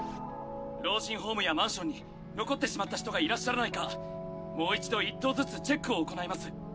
老人ホームやマンションに残ってしまった人がいらっしゃらないかもう一度１棟ずつチェックを行います。